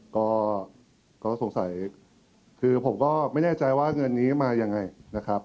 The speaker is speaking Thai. ก็สงสัยคือผมก็ไม่แน่ใจว่าเงินนี้มายังไงนะครับ